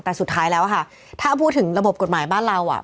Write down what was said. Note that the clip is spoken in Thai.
แต่สุดท้ายแล้วค่ะถ้าพูดถึงระบบกฎหมายบ้านเราอ่ะ